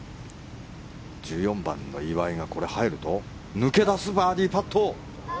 １４番の岩井が、これ入ると抜け出すバーディーパット。